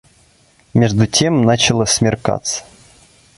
Между тем начало смеркаться.